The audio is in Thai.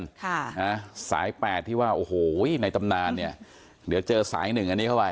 ค่ะนะสายแปดที่ว่าโอ้โหในตำนานเนี่ยเดี๋ยวเจอสายหนึ่งอันนี้เข้าไป